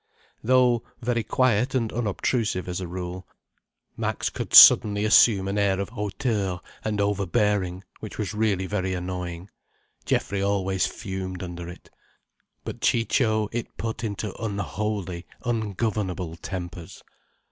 Though very quiet and unobtrusive as a rule, Max could suddenly assume an air of hauteur and overbearing which was really very annoying. Geoffrey always fumed under it. But Ciccio it put into unholy, ungovernable tempers.